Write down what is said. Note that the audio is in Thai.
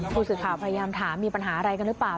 ภูษิขาพยายามถามมีปัญหาอะไรหรือเปล่า